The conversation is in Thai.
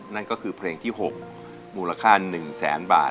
นั่นก็คือเพลงที่๖มูลค่า๑แสนบาท